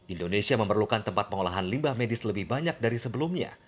indonesia memerlukan tempat pengolahan limbah medis lebih banyak dari sebelumnya